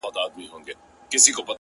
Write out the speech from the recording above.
ما مجسمه د بې وفا په غېږ كي ايښې ده ـ